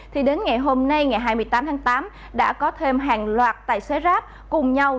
thì đến ngày hôm nay ngày hai mươi tám tháng tám đã có thêm hàng loạt tài xế grab cùng nhau